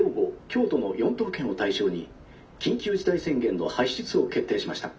京都の４都府県を対象に緊急事態宣言の発出を決定しました」。